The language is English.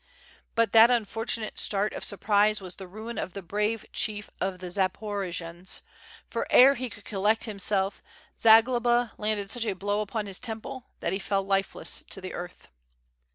But that unfortunate start of surprise was the ruin of the WITH FIRE AND SWORD. y|j brave chief of the Zaporojians, for ere he could collect him self^ Zagloba landed such a blow upon his temple that he fell lifeless to the earth.